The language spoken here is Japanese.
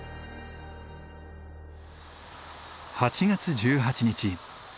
８月１８日。